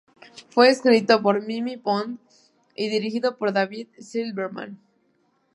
Fue escrito por Mimi Pond y dirigido por David Silverman.